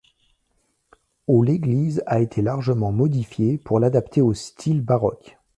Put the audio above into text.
Au l'église a été largement modifiée pour l'adapter au style Baroque.